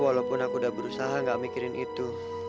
walaupun aku udah berusaha gak mikirin itu